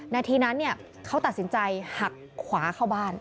นาทีนั้นเขาตัดสินใจหักขวาเข้าบ้าน